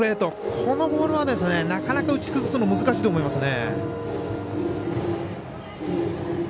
このボールはなかなか、打ち崩すの難しいと思いますね。